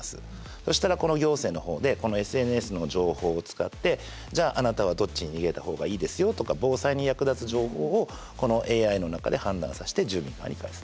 そしたらこの行政の方でこのＳＮＳの情報を使ってじゃああなたはどっちに逃げた方がいいですよとか防災に役立つ情報をこのＡＩの中で判断さして住民側に返す。